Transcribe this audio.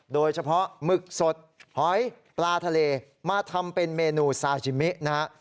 หมึกสดหอยปลาทะเลมาทำเป็นเมนูซาชิมินะฮะ